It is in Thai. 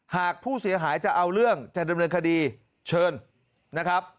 หากผู้เสียหายจะเอาเรื่องจะดำเนินคดีเชิญนะครับ